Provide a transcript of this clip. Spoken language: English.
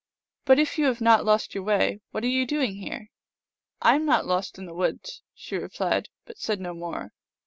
" But, if you have not lost your way, what are you doing here ?" "I am not lost in the woods," she replied, but said no more.